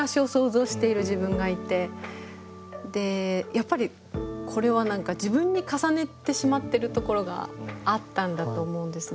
やっぱりこれは何か自分に重ねてしまってるところがあったんだと思うんですね。